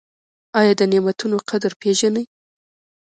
ایا د نعمتونو قدر پیژنئ؟